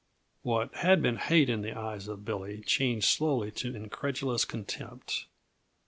What had been hate in the eyes of Billy changed slowly to incredulous contempt.